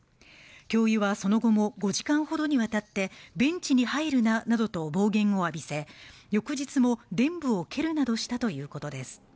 教諭はその後も５時間ほどにわたってベンチに入るななどと暴言を浴びせ翌日もでん部を蹴るなどしたということです